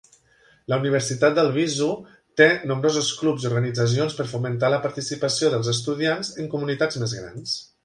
La Universitat d'Albizu té nombrosos clubs i organitzacions per fomentar la participació dels estudiants en comunitats més grans.